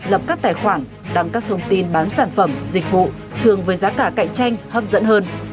lập các tài khoản đăng các thông tin bán sản phẩm dịch vụ thường với giá cả cạnh tranh hấp dẫn hơn